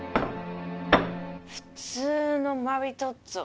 普通のマリトッツォ。